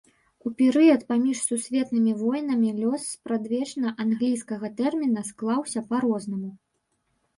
У перыяд паміж сусветнымі войнамі лёс спрадвечна англійскага тэрміна склаўся па-рознаму.